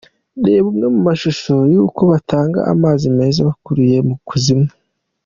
Reba amwe mu mashusho y’uko batanga amazi meza bakuruye mu kuzimu :.